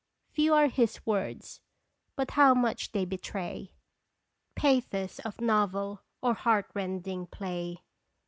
Few are his words, but how much they betray ; Pathos of novel or heart rending play